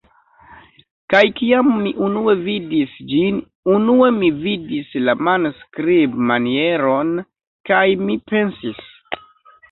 Kaj kiam mi unue vidis ĝin, unue mi vidis la manskribmanieron, kaj mi pensis: